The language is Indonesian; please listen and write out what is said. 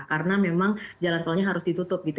karena memang jalan tolnya harus ditutup